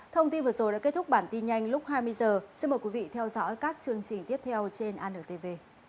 thông tin vừa rồi đã kết thúc bản tin nhanh lúc hai mươi h xin mời quý vị theo dõi các chương trình tiếp theo trên antv